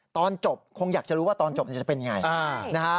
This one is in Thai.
ตอนจบคงอยากจะรู้ว่าตอนจบจะเป็นยังไงนะฮะ